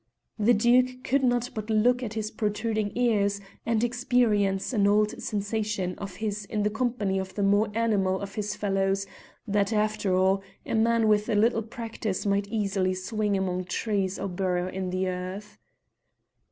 The Duke could not but look at his protruding ears and experience an old sensation of his in the company of the more animal of his fellows, that, after all, man with a little practice might easily swing among trees or burrow in the earth.